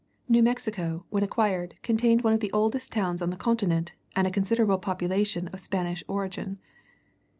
New Mexico, when acquired, contained one of the oldest towns on the continent, and a considerable population of Spanish origin.